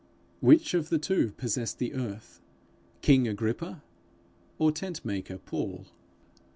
Which of the two possessed the earth king Agrippa or tent maker Paul?